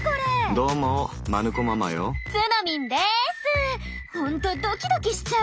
ほんとドキドキしちゃう！